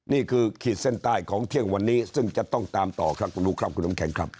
ขีดเส้นใต้ของเที่ยงวันนี้ซึ่งจะต้องตามต่อครับคุณบุ๊คครับคุณน้ำแข็งครับ